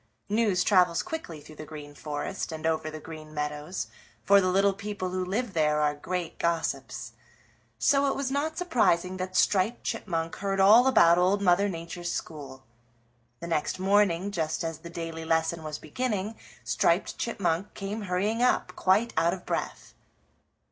News travels quickly through the Green Forest and over the Green Meadows, for the little people who live there are great gossips. So it was not surprising that Striped Chipmunk heard all about Old Mother Nature's school. The next morning, just as the daily lesson was beginning, Striped Chipmunk came hurrying up, quite our of breath.